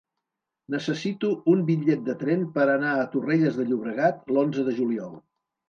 Necessito un bitllet de tren per anar a Torrelles de Llobregat l'onze de juliol.